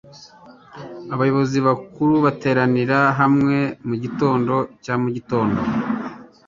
Abayobozi bakuru bateranira hamwe mugitondo cya mugitondo.